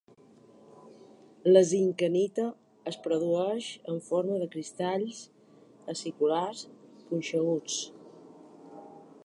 La zinkenita es produeix en forma de cristalls aciculars punxeguts.